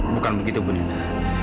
bukan begitu bu nina